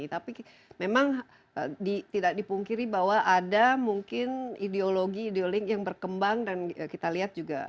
tapi memang tidak dipungkiri bahwa ada mungkin ideologi ideoling yang berkembang dan kita lihat juga